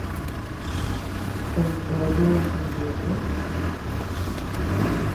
Amtea yuntu ñeʼë.